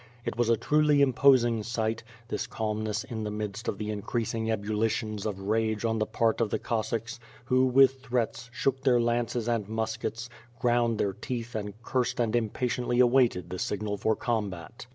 It was a truly imposing sight, this calmness in the midst of the increasing ebullitions of rage on the part of the Cossacks, who with threats, shook their lances and muskets, ground their teeth and cursed and impatiently awaited the signnl for combat.